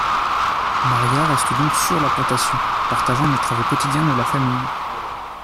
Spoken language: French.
María reste donc sur la plantation, partageant les travaux quotidiens de la famille.